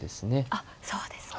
あっそうですか。